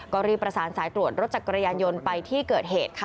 ก็รีบประสานสายตรวจรถจักรยานยนต์ไปที่เกิดเหตุค่ะ